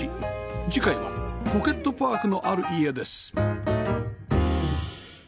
次回はポケットパークのある家です